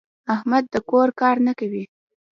احمد د کور کار نه کوي.